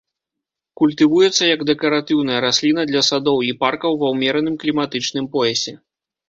Культывуецца як дэкаратыўная расліна для садоў і паркаў ва ўмераным кліматычным поясе.